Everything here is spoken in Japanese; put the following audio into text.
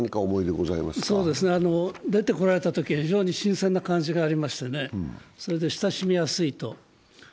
出てこられたときは非常に新鮮な感じがありましてね、親しみやすいと。